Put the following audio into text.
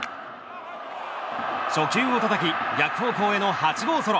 初球をたたき逆方向への８号ソロ。